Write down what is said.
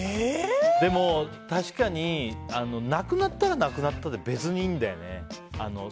でも、確かになくなったらなくなったで別にいいんだよね。